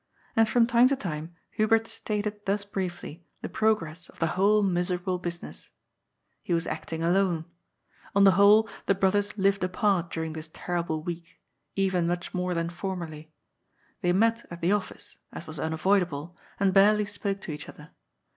And from time to time Hu bert stated thus briefly the progress of the whole miserable business. He was acting alone. On the whole, the brothers lived apart during this terrible week, even much more than formerly. They met at the OfSce, as was unavoidable, and barely spoke to each other.